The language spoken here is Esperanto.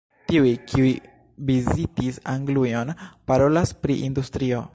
Tiuj, kiuj vizitis Anglujon, parolas pri industrio.